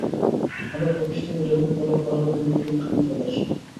হঠাত্ office থেকে জরুরি তলব করা হলে তিনি পিলখানায় চলে আসেন।